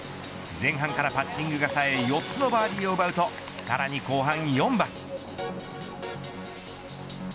前半からパッティングが冴え４つのバーディーを奪うとさらに後半４番。